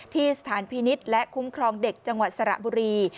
ที่สถานพินิษฐ์และคุ้มครองเด็กจังหวัดสระบุรี